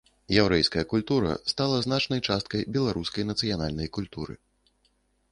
Яўрэйская культура стала значнай часткай беларускай нацыянальнай культуры.